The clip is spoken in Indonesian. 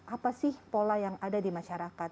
apa sih pola yang ada di masyarakat